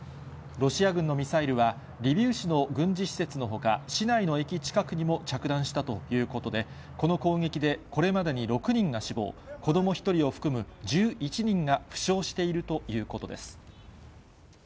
ロシア軍のミサイルは、リビウ市の軍事施設のほか、市内の駅近くにも着弾したということで、この攻撃でこれまでに６人が死亡、子ども１人を含む１１人が負傷しているということです。